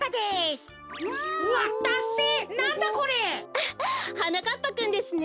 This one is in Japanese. フッはなかっぱくんですね。